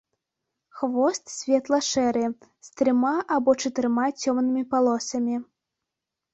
Хвост светла-шэры, з трыма або чатырма цёмнымі палосамі.